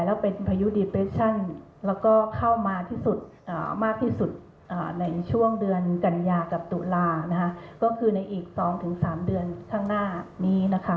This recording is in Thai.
ก็คือในอีก๒๓เดือนข้างหน้านี้